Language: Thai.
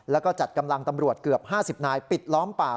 แล้วก็จัดกำลังตำรวจเกือบ๕๐นายปิดล้อมป่า